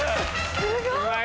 すごい！